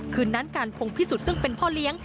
คืนนั้นการพงพิสุทธิ์ซึ่งเป็นพ่อเลี้ยง